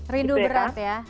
rindu berat ya